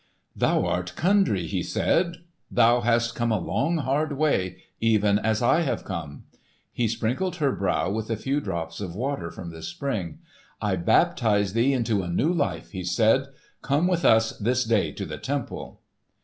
"Thou art Kundry," he said; "thou hast come a long hard way, even as I have come." He sprinkled her brow with a few drops of water from the spring. "I baptise thee into a new life," he said; "come with us this day to the temple."